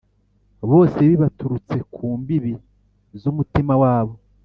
bose bibaturutse ku mbibi z'umutima wabo